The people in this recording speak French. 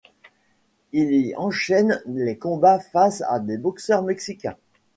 Il y enchaîne les combats face à des boxeurs mexicains.